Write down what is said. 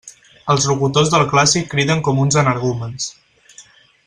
Els locutors del clàssic criden com uns energúmens.